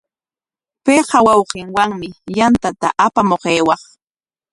Payqa wawqinwami yantata apamuq aywaq.